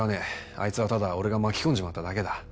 あいつはただ俺が巻き込んじまっただけだ。